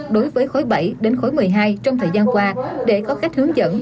đối với khối bảy đến khối một mươi hai trong thời gian qua để có cách hướng dẫn